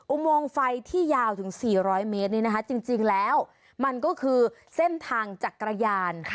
อุโมงไฟที่ยาวถึง๔๐๐เมตรนี้นะคะจริงแล้วมันก็คือเส้นทางจักรยาน